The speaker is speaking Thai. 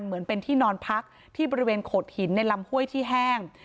เหมือนเป็นที่นอนพักที่บริเวณโขดหินในลำห้วยที่แห้ง